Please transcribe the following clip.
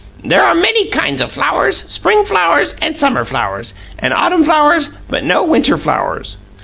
There are many kinds of flowers, spring flowers, and summer flowers, and autumn flowers, but no winter flowers.